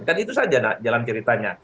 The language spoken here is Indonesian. kan itu saja jalan ceritanya